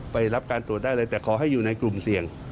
ไปรับการตรวจได้เลยแต่ขอให้อยู่ในกลุ่มเสี่ยง